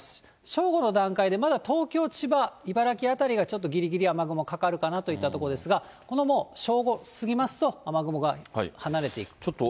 正午の段階でまだ東京、千葉、茨城辺りがちょっとぎりぎり雨雲かかるかなといったところですが、この、もう正午過ぎますと、雨雲が離れていくと。